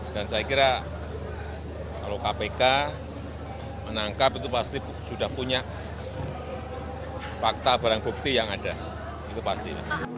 dan saya kira kalau kpk menangkap itu pasti sudah punya fakta barang bukti yang ada itu pasti